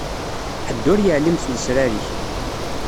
Ḥedd ur yeɛlim s lesrar-ik.